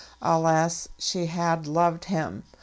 Alas, she had loved him!